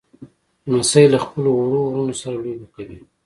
لمسی له خپلو وړو وروڼو سره لوبې کوي.